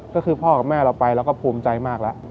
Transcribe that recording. ก็คือพ่อกับแม่เราไปเราก็ภูมิใจมากแล้ว